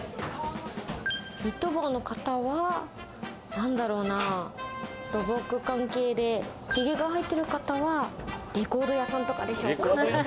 ニット帽の方は何だろうな、土木関係で、ひげが生えてる方はレコード屋さんとかでしょうか。